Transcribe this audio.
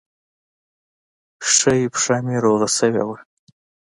ښۍ پښه مې روغه سوې وه.